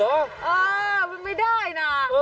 เออมันไม่ได้นะ